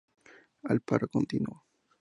El paro continuo.